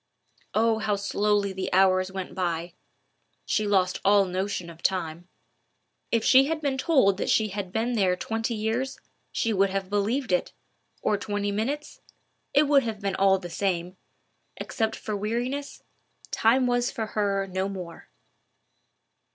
Oh, how slowly the hours went by! She lost all notion of time. If she had been told that she had been there twenty years, she would have believed it—or twenty minutes—it would have been all the same: except for weariness, time was for her no more.